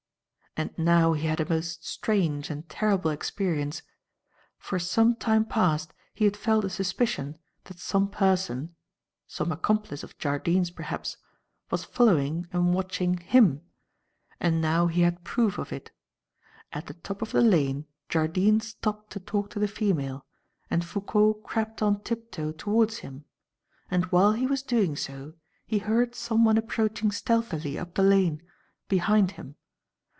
"And now he had a most strange and terrible experience. For some time past he had felt a suspicion that some person some accomplice of Jardine's perhaps was following and watching him; and now he had proof of it. At the top of the lane, Jardine stopped to talk to the female, and Foucault crept on tiptoe towards him; and while he was doing so, he heard someone approaching stealthily up the lane, behind him.